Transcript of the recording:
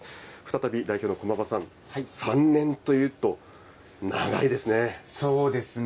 再び、代表の駒場さん、３年というと、そうですね。